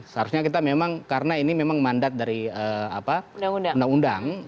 seharusnya kita memang karena ini memang mandat dari undang undang